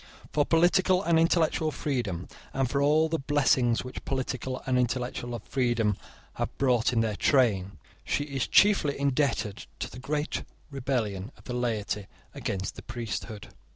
For political and intellectual freedom, and for all the blessings which political and intellectual freedom have brought in their train, she is chiefly indebted to the great rebellion of the laity against the priesthood.